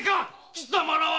貴様らは！